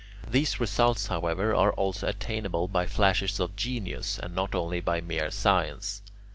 These results, however, are also attainable by flashes of genius, and not only by mere science.